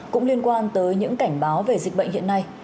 cũng liên quan tới những cảnh báo về dịch bệnh hiện nay